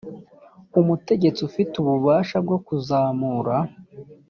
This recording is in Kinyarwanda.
umutegetsi ufite ububasha bwo kuzamura